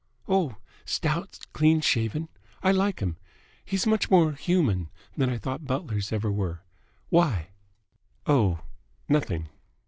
"Oh, stout, clean shaven. I like him. He's much more human than I thought butlers ever were. Why?" "Oh, nothing."